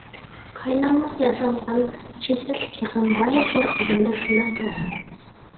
قايناملار ياسالغان شىددەتلىك ئېقىم، غايەت زور ئادەمدەك تىنار تولغىنىپ.